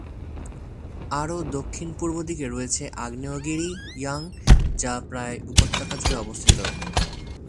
আরও দক্ষিণ-পূর্ব দিকে রয়েছে আগ্নেয়গিরি ইয়াং, যা প্রায় উপত্যকা জুড়ে অবস্থিত।